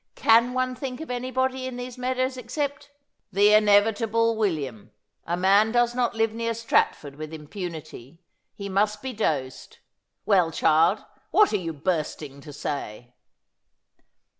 ' Can one think of anybody in these meadows except '' "The inevitable William. A man does not Uve near Strat ford with impunity. He must be dosed. Well, child, what are you bursting to say